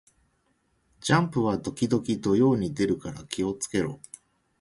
ジャンプは時々土曜に出るから気を付けろ